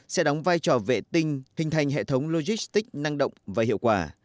sẽ đóng vai trò vệ tinh hình thành hệ thống logistic năng động và hiệu quả